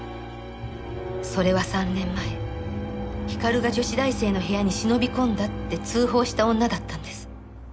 それは３年前光が女子大生の部屋に忍び込んだって通報した女だったんです。